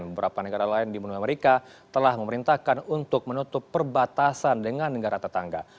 beberapa negara lain di menu amerika telah memerintahkan untuk menutup perbatasan dengan negara tetangga